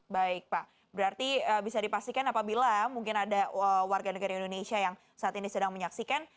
baik pak berarti bisa dipastikan apabila mungkin ada warga negara indonesia yang saat ini sedang menyaksikan